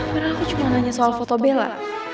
karena aku cuma nanya soal foto bella